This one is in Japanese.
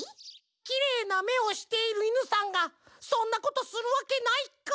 きれいなめをしているイヌさんがそんなことするわけないか。